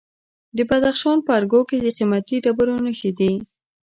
د بدخشان په ارګو کې د قیمتي ډبرو نښې دي.